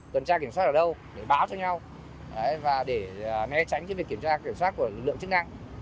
tuần tra kiểm soát ở đâu để báo cho nhau và để né tránh kiểm soát của lực lượng chức năng